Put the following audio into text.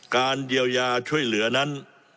การเยียวยาช่วยเหลือนั้น